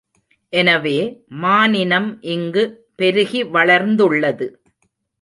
எனவே மானினம் இங்கு பெருகி வளர்ந்துள்ளது.